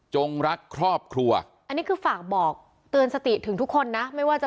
รักครอบครัวอันนี้คือฝากบอกเตือนสติถึงทุกคนนะไม่ว่าจะ